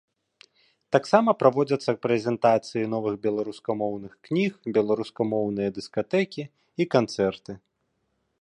Таксама праводзяцца прэзентацыі новых беларускамоўных кніг, беларускамоўныя дыскатэкі і канцэрты.